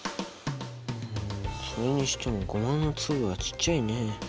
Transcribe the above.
それにしてもゴマの粒はちっちゃいね。